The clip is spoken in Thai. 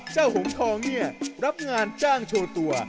เจ้าหงฑรับงานจ้างโชว์ตัว